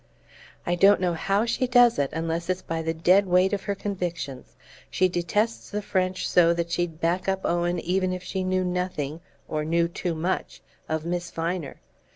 "I don't know how she does it, unless it's by the dead weight of her convictions. She detests the French so that she'd back up Owen even if she knew nothing or knew too much of Miss Viner.